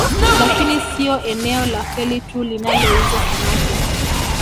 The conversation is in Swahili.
Lakini sio eneo la Feli tu linalouza samaki